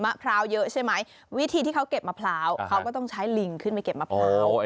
พร้าวเยอะใช่ไหมวิธีที่เขาเก็บมะพร้าวเขาก็ต้องใช้ลิงขึ้นไปเก็บมะพร้าว